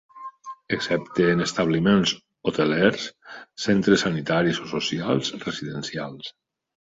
Excepte en establiments hotelers, centres sanitaris o socials residencials.